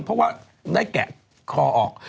เพราะว่าได้แกะคอออก